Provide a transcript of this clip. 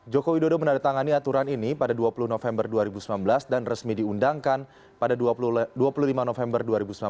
joko widodo menandatangani aturan ini pada dua puluh november dua ribu sembilan belas dan resmi diundangkan pada dua puluh lima november dua ribu sembilan belas